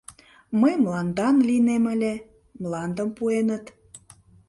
— Мый мландан лийнем ыле, мландым пуэныт.